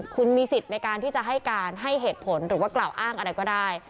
คุณมีสิทธิ์ในการที่จะให้การให้เหตุผลหรือว่ากล่าวอ้างอะไรก็ได้